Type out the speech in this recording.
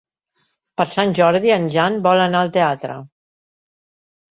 Per Sant Jordi en Jan vol anar al teatre.